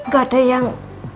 gak ada yang